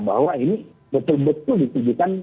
bahwa ini betul betul ditujukan